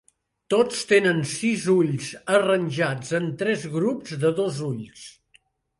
Tots tenen sis ulls arranjats en tres grups de dos ulls.